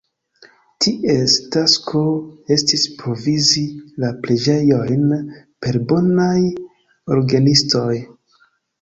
Ties tasko estis provizi la preĝejojn per bonaj orgenistoj.